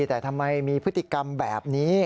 แต่ทำไมมีพฤติกรรมแบบนี้